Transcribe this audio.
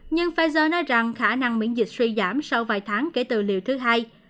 nhưng pfizer nói rằng khả năng miễn dịch suy giảm sau vài tháng kể từ liều thứ hai